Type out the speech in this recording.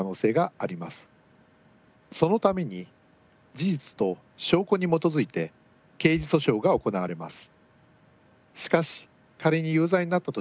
そのために事実と証拠に基づいて刑事訴訟が行われます。